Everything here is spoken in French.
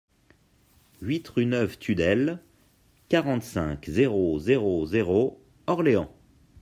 huit rue Neuve Tudelle, quarante-cinq, zéro zéro zéro, Orléans